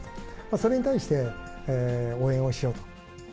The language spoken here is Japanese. それに対して、応援をしようと。